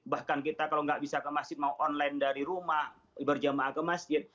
bahkan kita kalau nggak bisa ke masjid mau online dari rumah berjamaah ke masjid